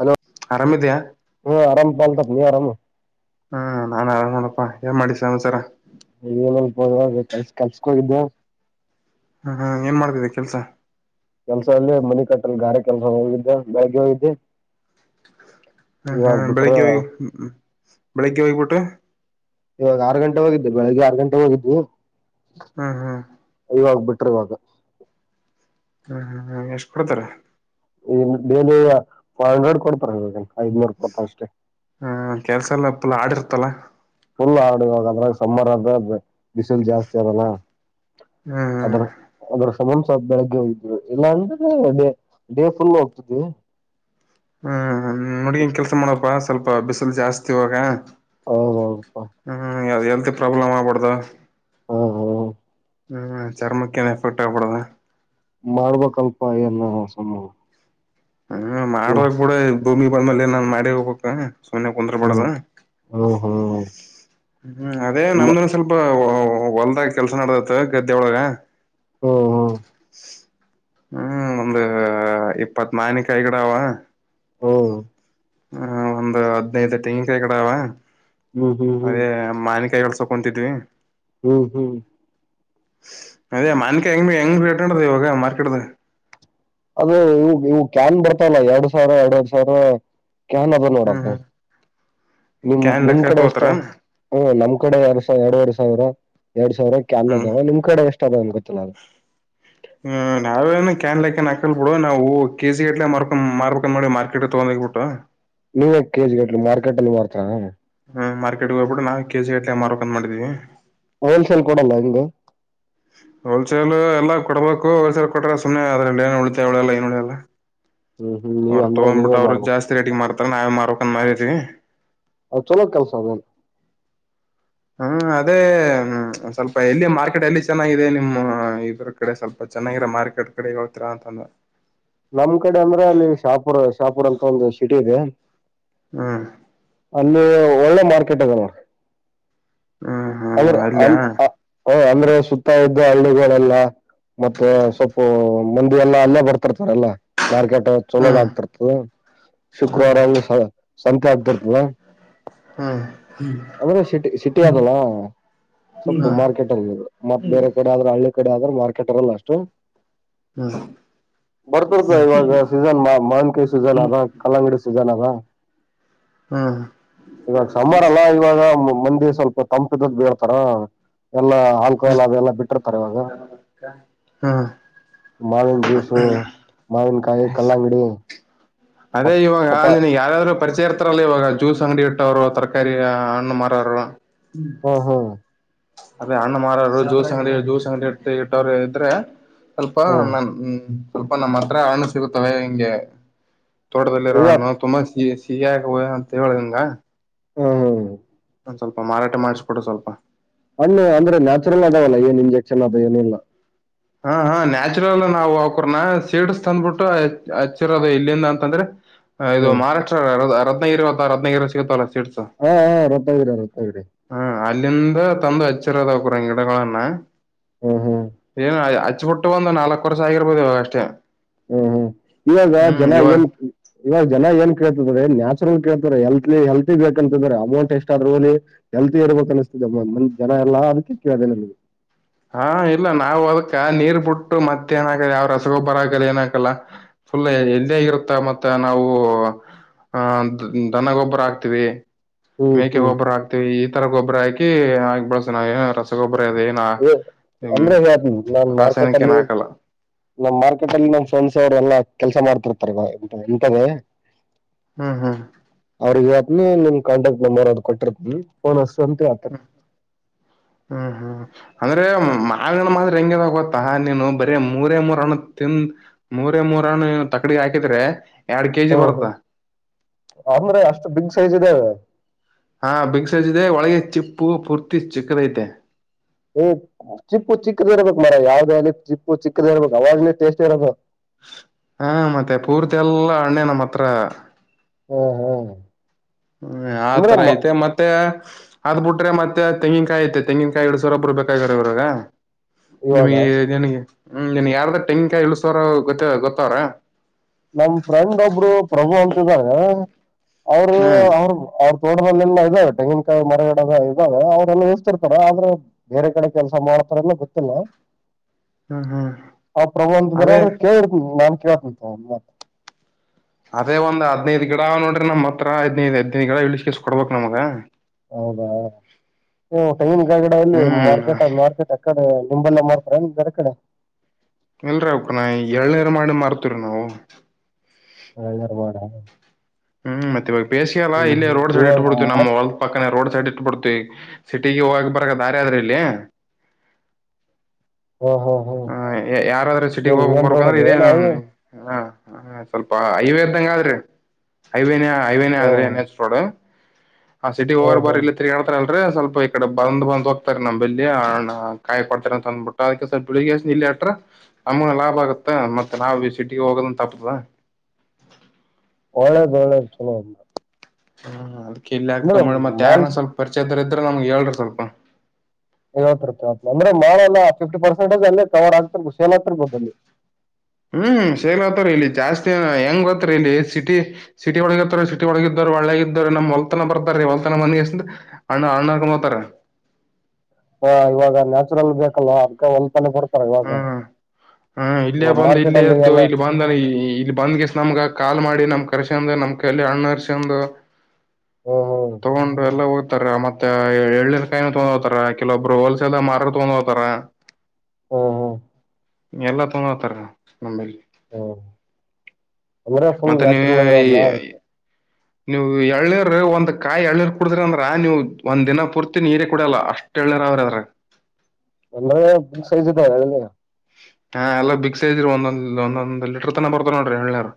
ಆ ಆರಾಮಿದ್ಯಾ [inaudible] ಆರಾಮ ಪಾಲತ ನೀ ಆರಾಮ ಹ್ಮ ನಾನ್ ಆರಾಮ್ ನೋಡಪ್ಪಾ ಏನ್ ಮಾಡಿಸಿ ಸಂಸಾರ. ರ್ಲ್ಸ ಕಲ್ಸಕೋಗಿದ್ದೆ. ಹ್ಮ್ ಹ್ಮ್ ಏನ್ ಮಾಡ್ತಿದ್ದ ಕೆಲ್ಸ. ಕೆಲ್ಸ ಅಲ್ಲಿ ಮನಿ ಕಟ್ಟಲ್ ಬೆರೆ ಕೆಲ್ಸ ಹೋಗಿದ್ದ ಬ್ಯಾಂಕ್ ಹೋಗಿದ್ದೆ. ಹ್ಮ್ ಹಾ ಇವಾಗ ಬಿಟ್ರ ಬೆಳಿಗ್ಗೆ ಹೋಗಿ ಬೆಳಿಗ್ಗೆ ಹೋಗ್ಬಿಟ್ಟು. ಇವಾಗ ಆರು ಗಂಟೆ ಹೋಗಿದ್ದ್ ಬೆಳಗ್ಗೆ ಆರು ಗಂಟೆ ಹೋಗಿದ್. ಹ್ಮ್ ಹ್ಮ್. ಇವಾಗ ಬಿಟ್ರೆ ಇವಾಗ. ಹ್ಮ್ ಹ್ಮ್ ಎಷ್ಟ್ ಕೊಡ್ತಾರ. ಈ ಡೇಲಿ ಫೈವ್ ಹಂಡ್ರೆಡ್ ಕೊಡ್ತಾರ ಐದ್ನೂರ್ ಕೊಡ್ತಾರ ಅಷ್ಟೇ. ಹ್ಮ ಕೆಲ್ಸ ಎಲ್ಲ ಪುಲ್ ಆಡಿರ್ತಲ್ಲ ಫುಲ್ ಆಾಡಿ ಇವಾಗ ಅದ್ರಾಗ ಸಮ್ಮರ್ ಅಂದ್ರೆ ಬಿಸಿಲು ಜಾಸ್ತಿ ಅರಲ್ಲ ಹ್ಮ್ ಅದ್ರ ಅದ್ರ ಸಮನ್ಸ ಬೆಳಗ್ಗೆ ಹೋಗಿದ್ರು ಇಲ್ಲಾ ಅಂದ್ರೆ ಡೇ ಡೇ ಫುಲ್ ಹೋಗ್ತದೆ ಹ್ಮ್ ನುಡ್ಗಿನ್ ಕೆಲ್ಸ ಮಾಡಪ್ಪ ಸ್ವಲ್ಪ ಬಿಸಿಲು ಜಾಸ್ತಿ ಇವಾಗ ಹೌದೌದಪ್ಪಾ ಹ್ಮ್ ಅ ಹೆಲ್ತ್ ಪ್ರಾಬ್ಲ್ ಆಗ್ಬಡದಾ. ಹಾ ಹಾ ಹ್ಮ್ ಚರ್ಮಕ್ಕೆ ಏನ ಎಫೆಕ್ಟ್ ಆಗಬಡದ ಮಾಡ್ಬೇಕಕ್ಲ್ಪ ಏನ ಸಮ ಹ್ಮ್ ಮಾಡುವಾಗ ಕೂಡ ಭೂಮಿ ಬಂದ್ಮೇಲೆ ನಾನ್ ಮಾಡಿ ಹೋಗಬೇಕ ಸೋನ್ಯ ಕುಂದ್ರ ಬಡದ ಹ್ಮ್ ಹ್ಮ್ ಹ್ಮ್ ಹ್ಮ್ ಅದೇ ಹ್ಮ್ ನಮ್ದನ್ ಸ್ವಲ್ಪ ಹೊಲ್ದಾಗ ಕೆಲ್ಸ ನಡ್ದತ್ ಗದ್ದೆೊಳಗ ಹ್ಮ ಹಾ ಹ್ಮ ಒಂದು ಇಪ್ಪತ್ ಮಾವಿನಕಾಯಿ ಗಿಡ ಹ್ಮ ಹ ಒಂದು್ ಹದಿನೈದು ತಟೆಂಗಕಾಯಿ ಕಡ ಅವ ಹ್ಮ್ ಹ್ಮ್ ಅದೇ ಮಾ ಕೈಳ್ಸಕೊಂತಿದ್ವಿಿ ಹ್ಮ್ ಹ್ಮ್ ಅದೇ ಮಾನ್ಕ ಹೆಂಗ್ ಹೆಂಗ ರೇಟ ನಡ ಇವಾಗ ಮಾರ್ಕೆಟ್ದಗ ಅದು ಇ ಇವು ಕ್ಯಾನ್ ಬರ್ತಲ್ಲ ಎರಡ್ ಸಾವಿರ ಎರಡ್ ಎಡ್ ಸಾವಿರ ಕನ್ ಅದು ನೋಡದೆ ಹ್ಮ್ ನಿಮ ಕ್ಯಾನ್ ನಿಮ್ ಲೆಕ್ಕ ಕಡೆ ಎಷ್ಟ ತೋತಾರ ಹ ನಮ್ [unintelligible] ್ ಕಡೆ ಎರಡು ಸಾವ ಎರಡು ಎರಡ್ ಸಾವಿರ ಎರಡ್ ಸಾವಿರಕ್ಕೆ ಅಲ್ ಹ್ಮ್ ಅದಾವ ನಿಮ್ ಕಡೆ ಎಷ್ಟ ಅದ ಅನ್ ಗೊತ್ತಿಲ್ಲ ಅದು ಹ್ ನಾವೇನ್ ಕ್ಯಾನ್ ಲೆಕ್ಕನ್ ಹಾಕಲ್ ಬಿಡು ನಾವು ಕೆಜಿ ಅಟ್ಲೆ ಮಾರ್ಕೊಂಡ ಮಾರ್ಕೊಂಡ್ ಮಾಡಿ ಮಾರ್ಕೆಟ್ ತಗೊಂಡವಿ ಊಟ ನೀವ ಕೆಜಿ ಗಟ್ ಮಾರ್ಕೆಟ್ ಅಲ್ಲಿ ಮಾಡ್ತರಾ ಹ್ ಮಾರ್ಕೆಟಗೋಗಬಿು ನಾವು ಕೆ ಜಿ ಎಟ್ ಎಮ ಆರ್ ಅ್ ಮಾಡಿದ್ದೀವಿ ಹೋಲ್ಸೇಲ್ ಕೊಡಲ್ಲ ಹಿಗೆ ಹೋಲ್ಸೇಲ್ ಎಲ್ಲ ಕೊಡ್ಬೇಕು ಹೋಲ್ಸೇಲ್ ಕೊಟ್ರೆ ಸುಮ್ಮ್ನೆ ಅದ್ರಲ್ಲಿ ಏನು ಉಳಿತ ಉಳಿಯಲ್ಲ ಏನು ಉಳಿಯಲ್ಲ ಹ್ಮ್ ಹ್ಮ್ ನೀವ್ ಅವರು ಅಂದ್ರೆ ನೀವೇ ತೊಗೊಂಡ್ಬಿಟ್ಟು ಅವರು ಮಾಡ್ಬೇಕು ಜಾಸ್ತಿ ರೇಟಿಂಗ್ ಮಾಡ್ತಾರ ನಾವೇ ಮಾರ್ಕಂದ ಮಾರಿದವಿ ಅ ಚಲೋ ಕಲ್ಸಾವನ್ ಹ್ಮ್ ಅದೇ್ಮ ಸ್ವಲ್ಪ ಎಲ್ಲಿ ಮಾರ್ಕೆಟ್ ಎಲ್ಲಿ ಚೆನ್ನಾಗಿದೆ ನಿಮ್ಮ್ ಇದ್ರ ಕಡೆ ಸ್ವಲ್ಪ ಚೆನ್ನಾಗಿರೋ ಮಾರ್ಕೆಟ್ ಕಡೆ ಹೇಳ್ತೀರಾ ಅಂತಂದ್ರ ನಮ್ ಕಡೆ ಅಂದ್ರೆ ಅಲ್ಲಿ ಶಾಪುರ್ ಶಾಪುರ್ ಅಂತ ಒಂದು ಸಿಟಿ ಇದೆ. ಹ್ಮ್ ಅಲ್ಲಿ ಒಳ್ಳೆ ಮಾರ್ಕೆಟ್ ಅದ ನೋಡಿ ಹ್ಮ್ ಹ್ಮ್ ಅ್ರ ಅಲ್ಲಿಯ ಹ ಅಂದ್ರೆ ಸುತ್ತ ಇದ್ದು ಹಳ್ಳಿಗಳೆಲ್ಲ ಮತ್ತೆ ಸ್ವಲ್ಪ ಮಂದಿ ಎಲ್ಲಾ ಅಲ್ಲ ಬರ್ತ ತಿರ್ತಾರಲ್ಲ ಮಾರ್ಕೆಟ್ ಚಲೋದ ಹ್ಮ್ ಆಗ್ತಿರ್ತದೆ ಹ್ಮ್ ಶುಕ್ರವಾರ ಸಂತೆ ಹಗ್ತರ್ದವಾ ಹ್ಮ್ ಅ ಸಿಟ್ಟಿ ಸಿಟಿಯ ಆದ ಆದಲ್ಲಾ ಸ್ವಲ್ಪ ಮಾರ್ಕೆಟರ್ ಮ ಬೇರೆ ಕಡೆ ಆದ್ರೆ ಹಳ್ಳಿ ಕಡೆ ಆದ್ರೆ ಮಾರ್ಕೆಟರ್ ಅಲ್ಲ ಅಷ್ಟು ಹ್ಮ ಬರ್ತರ್ತ ಇವಾಗ ಸೀಸನ್ ಮಾ ಮಾನ್ಕಾಯಿ ಸೀಸನ್ ಅದ ಕಲ್ಲಂಗಡಿ ಸೀಸನ್ ಅದ ಹ್ಮ್ ಇವಾಗ ಸಾರ ಅಲ್ಲ ಇವಾಗ ಮಂದ ಸ್ವಲ್ಪ ತಂಪಿದ್ದ ಬೀಳ್ತಾರ ಎಲ್ಲ ಆಲ್ಕೋಹಾಲ್ ಅದೆಲ್ಲ ಬಿಟ್ಟಿರ್ತಾರೆ ಇವಾಗ ಹ್ಮ್ ಮಾವಿನ ಜ್ಯೂಸ್ ಮಾವನ್ಕಾಯಿ ಕಲ್ಲಾಂಗಡಿ ಅದೇ ಇವಾಗ ನಿಿನಗ್ ಯಾರಾದ್ರು ಪರಿಚಯ ಇರ್ತಾರಲ್ಲ ಇವಾಗ ಜ್ಯೂಸ್ ಅಂಗಡಿ ಇಟ್ಟವ್ರು ತರಕಾರಿ ಹಣ್ಣು ಮಾರೋರು ಹಾ ಹಾ ಅದೇ, ಅಣ್ಣ ಮಾರವರು, ಜೂಸ್ ಅಂಗಡಿ ಜೂಸ್ ಅಂಗಡಿ, ಇ ಇಟ್ಟೋರು ಇದ್ರೆ? [inaudible] ಸ್ವಲ್ಪ, ಹ್ಮ್ ನಾನು, ಸ್ವಲ್ಪ ನಮ್ಮ್ ಹತ್ರ ಹಣ್ಣು ಸಿಗುತ್ತವೆ, ಹೆಂಗೆ. [inaudible] ತೋಟದಲ್ಲಿ ಇರುವ ಇಲ್ಲ ಹಣ್ಣು, ತುಂಬಾ! ಸಿ ಸಿಹಗ ಅಂತ, ಹೇಳಿದ, ನಿಂಗ. [inaudible] ಹ, ಹೌದು. [inaudible] ಒಂದು, ಸ್ವಲ್ಪ ಮಾರಾಟಮಾಡಿಸಿಬಿಡು, ಸ್ವಲ್ಪ. [inaudible] ಅಲ್ಲೀ, ಅಂದ್ರೆ ನ್ಯಾಚುರಲ್ ಅದಾವಲ್ಲ ಏನ್ ಇಂಜೆಕ್ಷನ್, ಅದ ಏನಿಲ್ಲ? [inaudible] ಹಾ, ಹಾ, ನ್ಯಾಚುರಲ್ ನಾವು, ಒಬ್ಬರನಾ, ಸೀಡ್ಸ್ ತಂದ್ಬಿಟ್ಟು! ಹಚ್ಚಿರೋದು ಇಲ್ಲಿಂದ ಅಂತಂದ್ರೆ? [inaudible] ಇದು, ಹ್ಮ್ ಮಹಾರಾಷ್ಟ್ರ ರತ್ನಗಿ! ಅತ್ತ ರತ್ನಗಿರ ಸಿಗುತ್ತಲ? [inaudible] ಹಾ, ಹಾ, ರತ್ನಗಿರಿ ರತ್ನಗಿರಿ. [inaudible] ಹ ಅಲ್ಲಿಂದ, ತಂದು ಹಚ್ಚಿರೋದು, ಗಿಡಗಳನ್ನ? [inaudible] ಹ್ಮ್, ಹ್ಮ್. [inaudible] ಏನು, ಹಚ್ಬಿಟ್ಟು ಒಂದು ನಾಲ್ಕ್ ವರ್ಷ, ಆಗಿರ್ಬೋದು! ಅಷ್ಟೇ. [inaudible] ಹ್ಮ್, ಹ್ಮ್, ಇವಾಗ ಹ್ಮ್ ಜನ! ಇವಾಗ ಏನ್ ಇವಾಗ ಜನ ಏನ್, ಕ. [inaudible] ಇಲ್ಲಿ, ನ್ಯಾಚುರಲ್, ಕೇಳ್ತಾರೆ! ಹೆಲ್ತ್ ಹೆಲ್ತಿ ಬೇಕಂತ್ರ ಅಮೌಂಟ್ ಎಷ್ಟ್ ಅದುರಿ, ಹೆಲ್ತಿ ಇರ್ಬೇಕು ಅನಸ್ತಿದೆ? [inaudible] ಒಂದು ಜನ ಎಲ್ಲ ಅದಕ್ಕೆ ಕೇಳಿದೆ ನಿನ್ಗೆ? [inaudible] ನೀರುಬುಟ್ಟು, ಮತ್ತೆ ಏನಕಲ್ಲ! ಯಾವ್ ರಸಗೊಬ್ಬರ, ಆಗಲ್ಲ, ಏನುಹೇಳ, ಫುಲ್ ಎಲ್ಲ್ಲಿ ಆಗಿರುತ್ತ ಮತ್ತ? [inaudible] ನಾವು, ಆ, ದನಗೊಬ್ಬರ ಹಾಕ್ತಿವಿ? [inaudible] ಹ್ಮ್ ಮೇಕೆ ಹ್ಮ್ ಗೊಬ್ಬರ ಹಾಕ್ತಿವಿ! ಈ ತರ ಗೊಬ್ಬರ ಹಾಕಿ ಆ. [inaudible] ಚೆನ್ನಾಗಿ ರಸಗೊಬ್ಬರ ಅವೆಯೆನ್ನ.. [inaudible] ಅಂದ್ರೆ, ಹ ನಾನ್ ಮಾರ್ಕೆಟ್! ಏನ ಅಲ್ಲಿ ಹಾಕಲ್ಲ ನಮ್ಮ್ ಮಾರ್ಕೆಟ್ ಅಲ್ಲಿ ನ ಸಮಸ ಅವ್ರ ಎಲ್ಲ? [inaudible] ಕೆಲ್ಸ, ಮಾಡ್ತಿರ್ತಾರಲ್ಲವ, ಇಂತದೆ? [inaudible] ಹ್ಮ್, ಹ್ಮ್. [inaudible] ಅಲ್ಲಿ, ನಿಮ್ ಕಾಂಟ್ಯಾಕ್ಟ್ ನಂಬರ್! ಅವರು, ಕೊಟ್ಟಿರ್ತ, ಫೋನ್, ಹಚ್ಚು, ಅಂತ. [inaudible] ಹ್ಮ್, ಹ್ಮ್, ಅಂದ್ರೆ ಮಾವಿನ ಮಗ ಹೆಂಗೆ ಅಂತ ಗೊತ್ತು. [inaudible] ಆಹಾ, ನೀನು ಬರೀ ಮೂರೇ, ಮೂರ ಹಣ್ಣು ತಿಂದು ಮೂರೇ ಮೂರ್ ಹಣ್ಣು, ನೀನು ತಕಡಿ ಹಾಕಿದ್ರೆ! [inaudible] ಹ್ಮ್, ಬರುತ್ತ ಹ್ಮ್, ಅಂದ್ರೆ, ಅಷ್ಟು ಬಿಗ್ ಸೈಜ್, ಇದಾವೇ. [inaudible] ಹಾ, ಬಿಗ್ ಸೈಜ್, ಇದೆ ಒಳಗೆ, ಚಿಪ್ಪು ಪೂರ್ತಿ ಚಿಕ್ಕದ, ಐತೆ! [inaudible] ಏ ಚಿಪ್ಪು ಚಿಕ್ಕದ ಇರ್ಬೇಕು, ಮಾರಾಯ, ಯಾವ್ದೇ ಅಲ್ಲಿ ಚಿಪ್ಪು ಚಿಕ್ಕದ ಇರ್ಬೇಕು! ಅವಾಗ್ನೇ ಟೇಸ್ಟ್ ಇರದು. [inaudible] ಹಾ, ಮತ್ತೆ ಪೂರ್ತಿ ಎಲ್ಲ! ಅಣ್ಣೆ ನಮ್ಮ ಹತ್ರ. [inaudible] ಹ, ಹ. [inaudible] ಹ್ಮ್, ಆ, ತರ, ಐತೆ, ಮತ್ತೆ? [inaudible] ಹಾದು, ಬಿಟ್ರೆತ್ತೆಂಗಿನಕಾಯಿ! ಮತ್ತೆ ತೆಂಗಿನಕಾಯಿ, ಇಲ್ಲಿಸವರು, ಬೇಕ, ಇವರಿಗೆ. [inaudible] ಇವಾಗ ನಿಮಗೆ, ನಿನಗೆ ಯಾರಾದರೂ ತೆಂಗಿನಕಾಯಿ ಇಲ್ಲಿಸವರು, ಗೊತ್ತಿದ್ದಾರ? [inaudible] ನಮ್, ಫ್ರೆಂಡ್ ಒಬ್ರು! ಪ್ರಭು ಅಂತ ಇದ್ದಾರೆ? [inaudible] ಆದರೆ, ಹ್ಮ್ ಅವರು, ಅವರು. [inaudible] ತೋಟಗಳಲ್ಲೆಲ್ಲ, ಅವೇ, ಇದ್ದಾವೆ ತೆಂಗಿಿನಕಾಯಿ ಮರಗಿಡ, ಇದಾವೆ, ಎಷ್ಟು, ಇರುತ್ತವೆ, ಆದರೆ, ಬೆರೆಕಡ್ಡೆ, ಕೆಲಸ. [inaudible] ಆತರ ಎಲ್ಲ, ಗೊತ್ತಿಲ್ಲ. [inaudible] [unintelligible] [inaudible] ಹ್ಮ್ ಹ, ಪ್ರಭಾ ಅಂತ ಅದೇ ಬರೋರು, ಕೇಳಿರ್ತೀನಿ ನಾನ್, ಕೇಳುತ್ತೀನಿ, ತಗೋ ಒಂದು ಮಾತು. [inaudible] ಅದೇ, ಒಂದ್ದ್ನೈದು, ಗಿಡ ನೋಡ್ರಿ ನಮ್ಮ್ ಹದಿನಾಯಿದು, ಗಿಡ ಇಳಿಸ ಕಿಸ ಕೊಡ್ಬಬೇಕಕ್ನಿಮ್ಗ. [inaudible] ಹೌದಾ, ಹೂ, ತೆಂಗಿನ ಕಾಯಿ, ಗಿಡ ಎಲ್ಲಿ, ಹ್ಮ್ ಮಾರ್ಕೆಟ್ ಮಾರ್ಕೆಟ್, ಆಕಡೆ. [inaudible] ನಿಮ್ಮಲೆ, ಮಾಡ್ತಾರೆ, ಏನು, ಬೇರೆ, ಕಡ್ಡೆ. [inaudible] ಇಲ್ರೀ ಅಕಣ [unintelligible] ಎಳ್ನೀರ್ ಮಾರ. [inaudible] ಹ್ಮ್, ಮತ್ತ ಇವಾಗ, ಬೆಸಿ, ಅಲ್ಲ, ಇಲ್ಲಿ, ರೋಡ್ ಸೈಡ್, ಇವಾಗ ಇಟ್ಟು, ಬಿಡ್ತೀನಿ, ಮತ್ ನಮ್ಮ ಹೊಲ್ದ ಪಕ್ಕ ರೋಡ್. [inaudible] ಸೈಡ್, ಇಟ್ಬಿಡ್ತವಿ, ಸಿಟಿಗೆ ಹೋಗ ಬರ ದಾರಿ ಆದ್ರ ಇಲ್ಲಿ? [inaudible] ಹ್ಮ್ ಹ್ಮ್ ಹ್ಮ್ ಹ, ಯಾರಾದ್ರೂ ಸಿಟಿಗೆ! ಏನ್ ಹೋಗಕ್ ಮೇನ್ ಬರ್ಬೇಕು, ರೋಡ್ ಅಂದ್ರೆ ಅದ ಏನ್ ಇದೇನ ಹ. [inaudible] ಹ, ಸ್ವಲ್ಪ, ಹೈವೇ, ಇದ್ದಂಗ ಆದ್ರಿ! ಐವೇನೇ ಐವೇನೇ, ಆದ್ರಿ, ಹ್ಮ್ ನೆಕ್ಸ್ಟ್, ರೋಡು. [inaudible] ಆ, ಸಿಟಿ ಹೋಗಲ ಹ್ಮ್ ಹ್ಮ್ ಬರಲಿಲ್ಲ ತಿರ್ಗಾಡ್ತಾರೆ? [inaudible] ಬಾರಿ, ಒಂದು, ಸ್ವಲ್ಪ ಈ ಕಡೆ ಬಂದ ಬಂದ್ ಹೋಗ್ತಾರೆ! ನಮ್ಮ್ ಬಾಳಿ ಕಾಯಿ, ಕೊಡ್ತಾರೆ, ಅಂತ ಅಂದ್ಬಿಟ್ಟು ಅದಕ್ಕೆ? [inaudible] ಬೆಳಗಿ, ಅಷ್ಟೆಲ್ಲಾಲಿ, ಇ, ಲೆಟರ್, ನಮ್ಗೆ, ಲಾಬ್ಬಾ, ಹಾಗುತೇ, ಮತ್ತೆ, ನಾವು, ಸಿಟಿ, ಹೋಗಂಗೆ ಆಗುತ್ತದಾ. [inaudible] [inaudible] ಒಳ್ಳೇದ್ ಒಳ್ಳೇದ್ ಚಲೋ ಹ್ಮ ಅದ್ಕ್ಕೆ ಇಲ್ಲಿ ಅಂದ್ರೆ ಹಾಕ್ಕ ಮಾಡಿ ಮತ್ ಯಾರನ ಮಾಲ್ಸ್ ಸ್ವಲ್ಪ ಪರಿಚಯ [unintelligible] ನಮ್ಗ್ ಹೇಳ್ರ ಸ್ವಲ್ಪ ಐವತ್ತು ರೂಪಾಯಿ ಅಂದ್ರೆ [unintelligible] [inaudible] ಫಿಫ್ಟಿ ಪರ್ಸೆಂಟ್ ಅಲ್ಲಿ ಕವರ್ ಆಗ್ತಿರ್ಬೋ ಏನ್ ಆತಿರ್ಬೋದು ಅಲ್ಲಿ ಹ್ಮ್ ಶೇಲ್ ಆತ್ತಾರ ಇಲ್ಲಿ ಜಾಸ್ತಿ ಹೆಂಗ್ ಬತ್ರಿ ಇಲ್ಲಿ ಸಿಟಿ ಸಿಟಿ ಒಳಗತ್ತಾರ ಸಿಟಿ ಒಳಗಿದಾರ [unintelligible] ಹ ಇವಾಗ ನ್ಯಾಚುರಲ್ ಬೇಕಲ್ವಾ ಅದ್ಕ [unintelligible] ಕೊಡ್ತಾರ ಇವಾಗ ಹ ಇಲ್ಲೇ ಇವಾಗ ಬಂದು ಮಾರ್ಕೆಟ್ ಇಲ್ಲೇ ಅಲ್ಲಿ ಇದ್ದು ಎಲ್ಲ ಇಲ್ಲಿ ಬಂದ ಇಲ್ಲಿ ಬಂದ್ಗೆಸ ನಮಗ ಕಾಲ್ ಮಾಡಿ ನಮ್ಗ [unintelligible] ನಮ್ ಕಲ್ಲಿ ಹಣ್ಣ [unintelligible] ಹ್ಮ್ ಹ್ಮ್ ತಗೊಂಡು ಎಲ್ಲ ಉ ತರ ಮತ್ತೆ ಎಲ್ನೇರ್ ಕಾಯಿ ತಗೊಂಡ್ ಹೋತಾರ ಕೆಲವೊಬ್ರು ಹೋಲ್ಸೆಲ್ ಆಗ್ ಮಾರಕ್ಕು ತೊಗ ಹೋತಾರ. ಹೊ ಹೊ ಎಲ್ಲಾ ತೊಗತಾರ ನಮ್ಮಲ್ಲಿ. ಹ್ಮ್ ಅವ್ರ ಫುಲ್ ವಾಚ್ಯಲುಲರ್ ಅಲ್ಲ ಅದ್ಕೆ. ನೀವು್ ಎಲ್ನೀರ್ ಒಂದ್ ಕಾಯಿ ಎಳ್ಳೀರ್ ಕುಡಿದ್ರ ಅಂದ್ರ ನೀವು್ ಒಂದಿನ ಪೂರ್ತಿ ನೀರೇ ಕುಡಿಯಲ್ಲ ಅಷ್ಟ್ ಎ [unintelligible] [unintelligible] ಬಿಗ್ ಸೈಜ್ ಇದೆ [unintelligible] ಹಾ ಎಲ್ಲಾ ಬಿಗ್ ಸೈಜ್ [unintelligible] ಒಂದೊಂದ್ ಒಂದೊಂದ್ ಲೀಟರ್ ತನ ಬರತ್ತ ನೋಡ್ರಿ ಎಲ್ನೀರ್.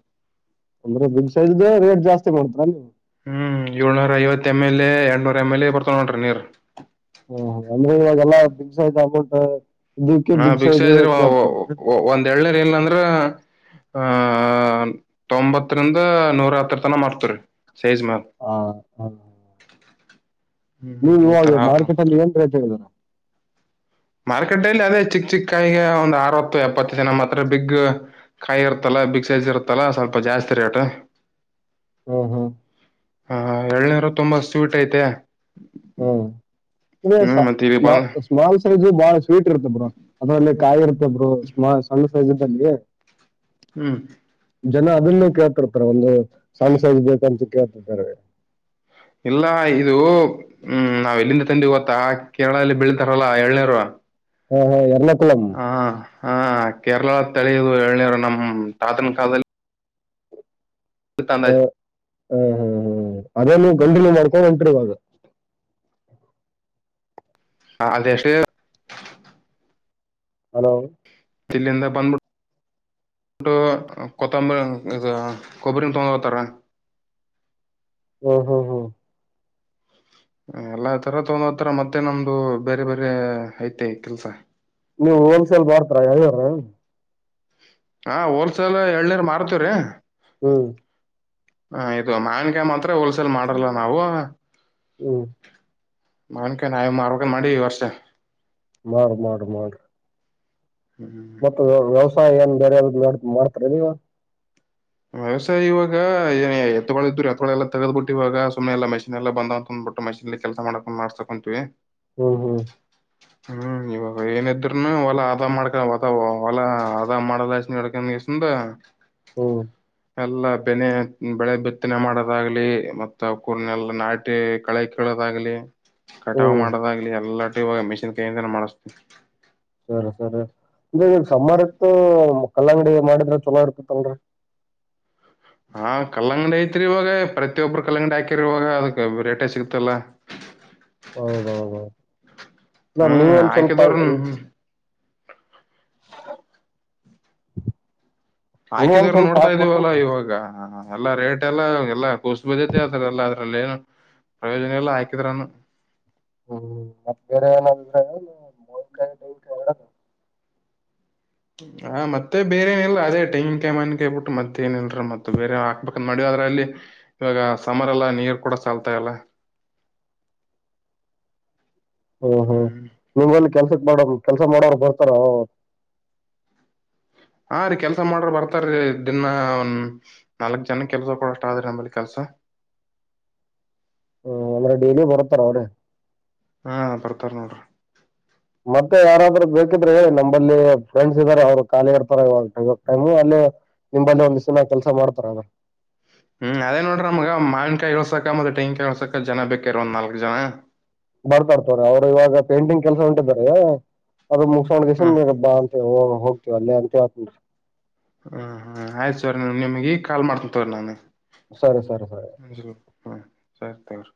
ಅಂದ್ರೆ ಬಿಗ್ ಸೈಜ್ ಇದ್ರೆ ರೇಟ್ ಜಾಸ್ತಿ [unintelligible] ಹ್ಮ್ ಏಳ್ನೂರ ಐವತ್ತು ಎಂ ಎಲ್ ಎ ಎರಡ್ನೂರ್ ಎಮ್ ಎಲ್ ಎ ಬರ್ತವ ನೋಡ್ರಿ ನೀರ್. ಹ್ಮ ಹಾಗಂದ್ರೆ ಇವಾಗೆಲ್ಲಾ ಬಿಗ್ ಸೈಜ್ [unintelligible] ಹಾ ಬಿಗ್ ಸೈಜ್ [unintelligible] ಒಂದ್ ಎಳ್ನರ್ ಇಲ್ಲಂದ್ರ ಆಆಆ ತೊಂಬತ್ರಿನ್ದ ನೂರಹತ್ರ ತನ ಮಾಡ್ತ್ರಿರಿ. ಆ [unintelligible] ಹ್ಮ್ ನೀವು ಹ್ಮ್ ಈ ತರ ಇವಾಗ ಅವ್ರ ನಮ್ ಮಾರ್ಕೆಟ್ ಅಲ್ಲಿ ಏನ್ ರೇಟ್ ಹೇಳಿದರ ಮಾರ್ಕೆಟ್ ಅಲ್ಲಿ ಅದೇ ಚಿಕ್ ಚಿಕ್ಕ ಕಾಯ್ಗೆ ಒಂದ್ ಅರವತ್ತು ಎಪ್ಪತ್ತು ಜನ ಮಾತ್ರ ಬಿಗ್ ಕಾಯಿ ಇರ್ತಲ್ಲ. ಬಿಗ್ ಸೈಜ್ ಇರುತ್ತಲ್ಲ ಸ್ವಲ್ಪ ಜಾಸ್ತಿ ರೇಟ್. ಹ್ಮ್ ಹೌದು ಹಾ ಎಳ್ನೇರು ತುಂಬಾ ಸ್ವೀಟ್ ಐತೆ. ಹ್ಮ್ ಹ್ಮ್ ಮತ್ತೆ ಇಲ್ಲಿ ಬಂದ [unintelligible] ಸ್ಮಾಲ್ ಸೈಜು ಬಾಳ ಸ್ವೀಟ್ ಇರುತ್ರೆ ಬ್ರೋ ಅದ್ರಲ್ಲಿ ಆಗಿರುತ್ತ ಬ್ರೋ ಸ್ಮಾಲ್ ಸಣ್ಣ್ ಸೈಜ್ ಇದಲ್ಲಿ ಹ್ಮ್ ಜನ ಅದನ್ನು ಕೇಳ್ತಿಡ್ತಾರೆ ಒಂದು [unintelligible] ಬೇಕಂತ ಕೇಳ್ತಿದ್ದಾರೆ ಇಲ್ಲ ಇದು ಹ್ಮ್ ನಾವ್ ಎಲ್ಲಿಂದ ತಂದಿ ಓತ್ತಾ ಕೇರಳಲ್ಲಿ ಬೆಳಿತಾರಲ್ಲ ಎಳ್ನೇರು ಹಾ ಹಾ ಎಲ್ಲರ್ ಹಾ ಹಾ ಕೇರಳ ತಳಿಯದು ಎಲನೀರ್ ನಮ್ ತಾತನ್ ಕಾಲದಲ್ಲಿ ತಂದ ಹಾ ಹಾ ಹಾ ಅದೇ ನೀವು [unintelligible] ಮಾಡ್ಕೊಂಡ್ ಹೊಂಟ್ರಿ ಇವಾಗ [unintelligible] ಹಲೋ ಇಲ್ಲಿಂದ ಬಂದ್ ಟ್ಟು ಕೊತ್ತಂಬರಿ ಕೊಬ್ಬರಿನ ತೊಗೊಂಡ ಹೋಗತಾರ. ಹ್ಮ ಹ್ಮ್ ಹ್ಮ್ ಎಲ್ಲಾ ತರ ತೊಗೊಂಡ ಹತರ ಮತ್ತೆ ನಮ್ದು ಬೇರೆ ಬೇರೆ ಐತೆ ಕೆಲ್ಸ. ನೀವು ಹೋಲ್ಸೇಲ್ ಬರ್ತಾರ ಯಾವ್ಯಾರ. ಹಾ ಹೋಲ್ಸೇಲ್ ಏಳ್ನೀರ್ ಮಾರ್ತೇವ್ರೀ. ಹ್ಮ್ ಹಾ ಇದು ಮಾವನ್ಕಾಯ ಮಾತ್ರ ಹೋಲ್ಸೆಲ್ ಮಾಡಲ್ಲ ನಾವು ಹ್ಮ್ ಮಾವಿನಕಯ್ [unintelligible] ಮಾಡಿ ಈ ವರ್ಷ ಮಾಡ, ಮಾಡ, ಮಾಡ. ಹ್ಮ್ ಮತ್ತ ವ್ಯವಸಾಯ ಏನ್ ಬೇರೆ ಯ್ದ ಮಾಡ್ತರಿ ನೀವು. ವ್ಯವಸಾಯ ಇವಾಗ ಏ ಎತ್ತೊಳ ಇದ್ರು ಎತ್ತಗಳೆಲ್ಲ ತಗದಬಿಟ್ಟಿವ ಇವಾಗ ಸುಮ್ಮನೆಲ್ಲ ಮಷಿನ್ ಎಲ್ಲ ಬಂದಾವ ಅಂತದ ಪುಟ್ಟ ಮಷಿನಲ್ಲಿ ಕೆಲಸ ಮಾಡಸ್ ಮಾಡ್ಸಕೊಂಟಿವಿ ಹ್ಮ್ ಹ್ಮ್ ಹ್ಮ್ ಇವಾಗ ಏನ ಇದ್ರುನು ಒಲಾ ಹದಾ ಮಾಡ್ಕ ಅದ ಹೊಲ ಹದಾ ಮಾಡದಷ್ಟ ಕೆಸಿಂದ ಹ್ಮ್ ಎಲ್ಲ ಬೆನೆ ಬೆಳೆ ಬಿತ್ತನೆ ಮಾಡೋದಾಗ್ಲಿ ಮತ್ತ ಕೂರ್ನೆ ಎಲ್ಲ ನಾಟಿ ಕಳೆ ಕೀಳೊದಾಗಲಿ ಲಿ ಕಟಾವು ಹ್ಮ್ ಮಾಡೋದಾಗ್ಲಿ ಎಲ್ಲಟು ಇವಾಗ ಮಿಷಿನ್ ಕೈಯಿಂದ ಮಾಡಿಸತೀವಿ. ಸರಿ ಸರಿ ಅಂದ್ರೆ ಸಮರ್ ಇತ್ತು ಕಲ್ಲಂಗಡಿ ಮಾಡಿದ್ರ ಚಲೋ ಇರ್ತತ್ ಏನ್ರೀ [inaudible] ಹಾ ಕಲ್ಲಂಗಡಿ ಐತ್ರಿ ಇವಾಗ ಪ್ರತಿಯೊಬ್ಬರು ಕಲ್ಲಂಗಡಿ ಹಾಕ್ಯರಿ ಇವಾಗ ಅದಕ್ ರೇಟೆ ಸಿಗತಿಲ್ಲಾ. ಹೌದೌದು ಇಲ್ಲ ಹ್ಮ್ ನೀವ ಒಂದ್ ಸ್ವಲ್ಪ ಹಾಕಿದವರ ನೀವ ಒಂದ್ ಹಾಕಿದಾರ ಸ್ವಲ್ಪ ನೋಡ್ತಾ ಇದೀವಲ್ಲಾ ಹಾಕ್ಬೇಕಲ್ರರಿ ಇವಾಗ ಹ ಹ ಎಲ್ಲ ರೇಟ್ ಎಲ್ಲಾ ಎಲ್ಲಾ ಕುಸದ ಬಿದ್ದೈತಿ ಆತಲ್ಲ ಅದ್ರಲ್ಲಿ ಏನು ಪ್ರಯೋಜನ ಇಲ್ಲಾ ಹಾಕಿದ್ರುನು. ಹ್ಮ್ ಮತ್ತ ಬೇರೆ ಏನಂದ್ರ [unintelligible] ಹ ಮತ್ತೆ ಬೇರೆ ಏನ್ ಇಲ್ ಅದೇ ಟೆಂಗಿನ ಕಾಯಿ ಮಾವಿನಕಾಯಿ ಬಿಟ್ಟ ಮತ್ತೇ ಏನಲ್ರ ಮತ್ತತ್ ಬೇರೆ ಹಾಕ್ಬೇಕಂದ ಮಾಡಿವ್. ಅಲ್ಲಿ ಇವಾಗ ಸಮರ್ ಅಲ್ಲಿ ನೀರು ಕೂಡ ಸಾಲ್ತಾಯಿಲ್ಲಾ [inaudible] ಹ್ಮ್ ಹ್ಮ್ ನಿವ್ ಕೆಲ್ಸಕ್ ಮಾಡ ಕೆಲ್ಸಾ ಮಾಡೋರು ಬರ್ತಾರಾ ಹಾ ರೀ ಕೆಲ್ಸ ಮಾಡ್ರ ಬರ್ತಾರೀ ದಿನ ಒಂದ್ ನಾಲ್ಕ್ ಜನ ಕೆಲ್ಸ ಕೊಡಷ್ಟ ಆದ್ರಿ ನಂಬಲ್ಲಿ ಕೆಲ್ಸಾ ಹ್ಮ ಅಂದ್ರೆ ಡೈಲಿ ಬರ್ತಾ ಅವರೇ. ಹಾ ಬರ್ತಾರ ನೋಡ್ರಿ ಮತ್ತೆ ಯಾರಾದ್ರ ಬೇಕಿದ್ರೆ ಹೇಳಿ ನಂಬಲ್ಲಿ ಫ್ರೆಂಡ್ಸ್ ಇದ್ದಾರೆ ಅವ್ರು ಖಾಲಿ ಇರತ್ತಾರೇ ಟೈಮು ಅಲ್ಲಿ ನಿಂಬಲ್ಲಿ ಒಂದ್ ದಿನ ಕೆಲ್ಸ ಮಾಡ್ತಾರೆ ಹ್ಮ್ ಅದೇ ನೋಡ್ರಿ ನಮಗ ಮಾಲ್ಕಿನ್ ಕಾಯಿ ಇಳ್ಸಾಕ್ ಮತ್ತೆ ತೆಂಗಿನ್ಕಾಯಿಇಳ್ಸಾಕ್ ಜನಾ ಬೇಕಾಗ್ಯಾರ್ ಒಂದ ನಾಲ್ಕಕ್ ಜನಾ. ಬರ್ತಾರ ತೋರಿ ಅವ್ರು ಇವಾಗ ಪೇಂಟಿಂಗ್ ಕೆಲ್ಸಾ ಹೊಂಟಿದ್ದರೆ ಅದ ಮುಗಸ ಹ್ಮ್ ಕೊಂಡಕ್ಸಿಂಧ್ ಬಾ ಅಂತ ಹೋಗ್ತೇವ ಅಲ್ಲೇ ಅಂತ ಹೇಳುತ್ತೇನ ಹ್ಮ್ ಹ್ಮ್ ಆಯ್ತು ತೊರಿ ನಿಮಗೆ ಕಾಲ್ ಮಾಡ್ಕೊಂತವ್ರ ನಾನ್ ಸರಿ ಸರಿ ಸರಿ [unintelligible]